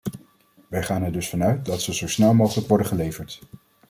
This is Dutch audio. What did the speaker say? Wij gaan er dus van uit dat ze zo snel mogelijk worden geleverd.